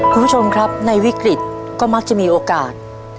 คุณผู้ชมครับในวิกฤตก็มักจะมีโอกาส